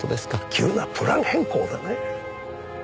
急なプラン変更でね。